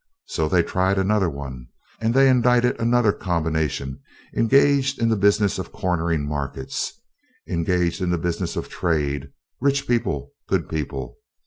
So they tried another one, and they indicted another combination engaged in the business of cornering markets, engaged in the business of trade, rich people, good people.